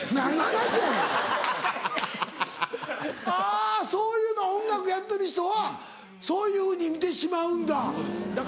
あぁそういうの音楽やってる人はそういうふうに見てしまうんだ。